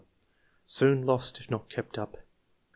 soon lost if not kept up."